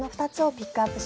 ピックアップ